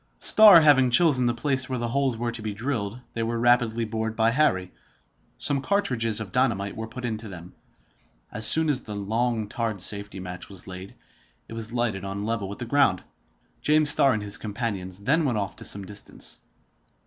Starr having chosen the place where the holes were to be drilled, they were rapidly bored by Harry. Some cartridges of dynamite were put into them. As soon as the long, tarred safety match was laid, it was lighted on a level with the ground. James Starr and his companions then went off to some distance.